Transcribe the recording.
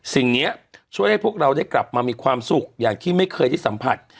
สิ่งนี้ช่วยให้พวกเราได้กลับมามีความสุขอย่างที่ไม่เคยได้สัมผัส